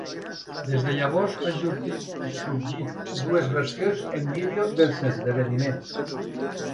Des de llavors han sorgit dues versions en vídeo dels esdeveniments.